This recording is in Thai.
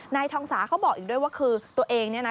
นายทองสาเขาบอกอีกด้วยว่าคือตัวเองเนี่ยนะ